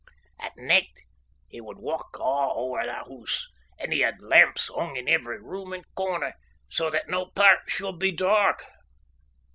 At nicht he would walk a' ower the hoose, and he had lamps hung in every room and corner, so that no pairt should be dark.